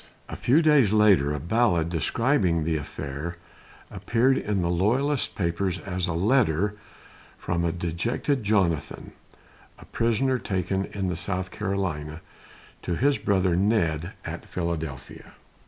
A few days later a ballad describing the affair appeared in the loyalist papers as a letter "from a dejected Jonathan, a prisoner taken in the South Carolina, to his brother Ned at Philadelphia."